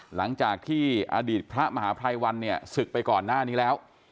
หลังจากที่อดีตพระมหาภัยวันเนี่ยศึกไปก่อนหน้านี้แล้ว